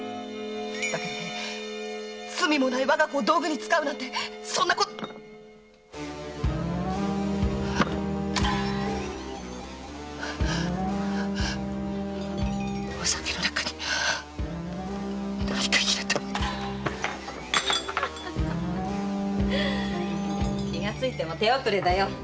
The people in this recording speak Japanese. だけど罪もない我が子を道具に使うなんてそんな⁉お酒の中に何か入れた⁉気がついても手遅れだよ。